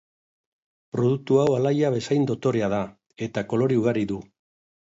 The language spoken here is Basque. Produktu hau alaia bezain dotorea da, eta kolore ugari du.